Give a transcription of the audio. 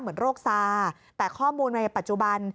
เหมือนโรคซาแต่ข้อมูลในปัจจุบัน